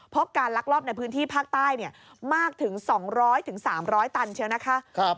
การลักลอบในพื้นที่ภาคใต้มากถึง๒๐๐๓๐๐ตันเชียวนะคะ